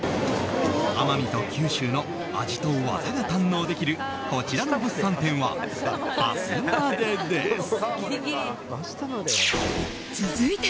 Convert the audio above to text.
奄美と九州の味と技が堪能できるこちらの物産展は明日までです。